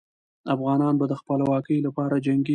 افغانان به د خپلواکۍ لپاره جنګېږي.